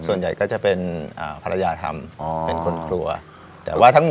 ส่วนใหญ่ก็จะเป็นภรรยาทำเป็นคนครัวแต่ว่าทั้งหมด